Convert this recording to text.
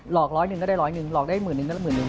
อกร้อยหนึ่งก็ได้ร้อยหนึ่งหลอกได้หมื่นนึงก็ได้หมื่นหนึ่ง